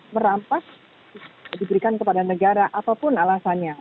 merampas diberikan kepada negara apapun alasannya